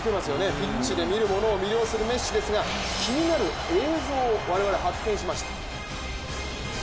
ピッチで見る者を魅了するメッシですが、気になる映像を我々、発見しました。